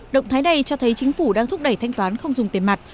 động thái này cho thấy chính phủ đang thúc đẩy thanh toán không dùng tiền mặt